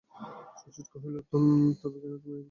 শচীশ কহিল, তবে কেন তুমি এই ভক্তদের মধ্যে আছ?